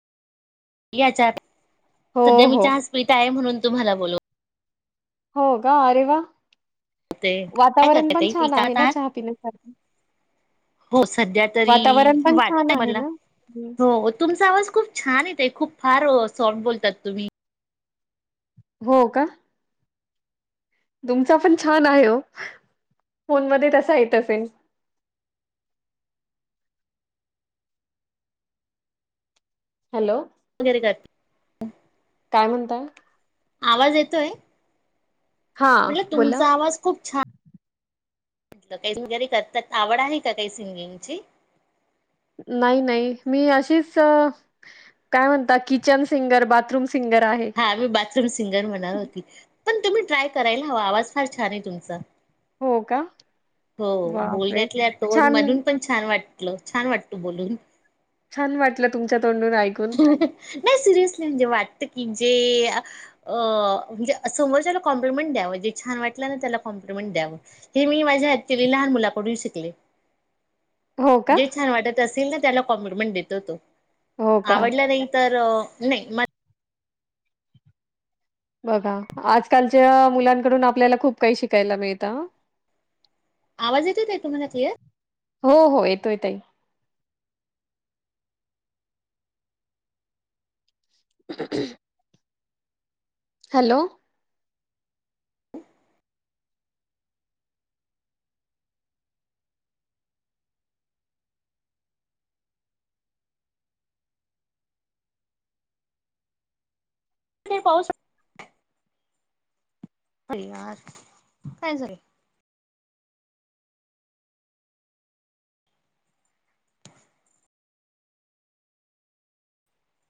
याच्या चहा हो, प्यायला, सध्या मी हो. चहाजपीता आहे, म्हणून तुम्हाला बोलवाला. हो का अरे वा. बोलवते. काय वातावरण करता पण ताई छान आहे विकात ना आहात? चहा पिण्यासारख हो सध्या तरी वाटत छान आहे मला ना? हं. हो तुमचा आवाज खूप छान येते, खूप फार सॉफ्ट बोलतात तुम्ही हो का. तुमचा पण छान आहे, हो फोन मध्ये तसा येत असेल, हॅलो. वगैरे काय [unintelligible] काय म्हणताय. आवाज येतोय. हां, म्हणलं, बोला. तुमचा आवाज खूप छान रियाज वगैरे करतात. आवड आहे का काही सिंगिंगची. नाही नाही. मी अशीच, काय म्हणतात? किचन सिंगर, बाथरूम सिंगर आहे. हा, मी बाथरूम सिंगर म्हणणार होती. पण तुम्ही, ट्राय करायला हवा. आवाज फार छान आहे तुमचा. हो, का? हो, बापरे! बोलण्यातल्या टोन छान म्हधून पण छान वाटलं, छान वाटतं बोलून. छान वाटलं, तुमच्या तोंडून ऐकून. नाही नाही सिरियसली, म्हणजे वाटतं की जे अ म्हणजे अ समोरच्याला कॉम्प्लिमेंट द्यावं, म्हणजे छान वाटलं ना, त्याला कॉम्प्लिमेंट द्या [unintelligible] हे मी माझ्या ऍक्चूअली लहान मुलाकडून शिकले. [inaudible] हो का? जे छान वाटत असेल ना, त्याला कॉम्प्लिमेंट देतो तो. हो का? आवडल नाही तर अ नाही मा बघा, आजकालच्या मुलांकडून आपल्याला खूप काही शिकायला मिळतं हां. आवाज येतोय काय, तुम्हाला क्लिअर? हो हो, येतोय ताई. [unintelligible] हॅलो. [unintelligible] पाऊस अरे यार! काय झालं?